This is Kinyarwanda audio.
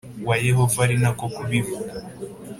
wa Yehova ari na ko kubivuga